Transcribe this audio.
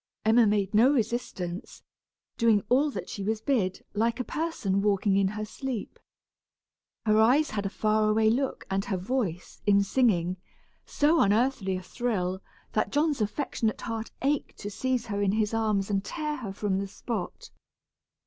Emma made no resistance, doing all that she was bid, like a person walking in her sleep. Her eyes had a far away look and her voice, in singing, so unearthly a thrill, that John's affectionate heart ached to seize her in his arms and tear her from the spot.